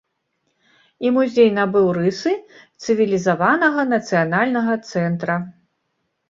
І музей набыў рысы цывілізаванага нацыянальнага цэнтра.